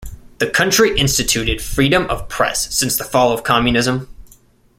The country instituted freedom of press since the fall of communism.